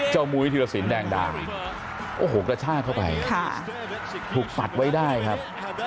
มุยธิรสินแดงดามโอ้โหกระชากเข้าไปถูกปัดไว้ได้ครับ